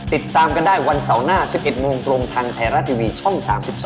ติดตามกันได้วันเสาร์หน้า๑๑โมงตรงทางไทยรัฐทีวีช่อง๓๒